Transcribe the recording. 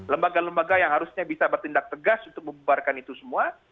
lembaga lembaga yang harusnya bisa bertindak tegas untuk membubarkan itu semua